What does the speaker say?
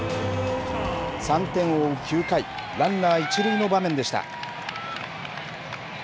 ３点を追う９回ランナー一塁の場面でした。